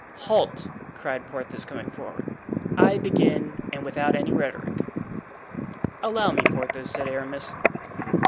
"Halt!" cried Porthos coming forward. "I begin, and without any rhetoric." "Allow me, Porthos," said Aramis.